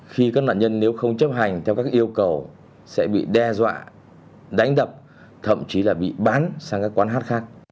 khi các nạn nhân nếu không chấp hành theo các yêu cầu sẽ bị đe dọa đánh đập thậm chí là bị bán sang các quán hát khác